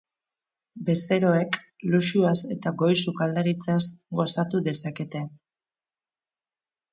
Bezeroek luxuaz eta goi sukaldaritzaz gozatu dezakete.